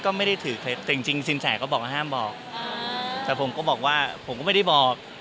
ก็ไม่ได้ถือเคล็ดแต่จริงจริงสินแสก็บอกว่าห้ามบอกแต่ผมก็บอกว่าผมก็ไม่ได้บอก